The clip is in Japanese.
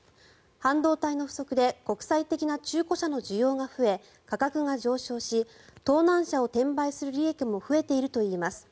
半導体の不足で国際的な中古車の需要が増え価格が上昇し盗難車を転売する利益も増えているといいます。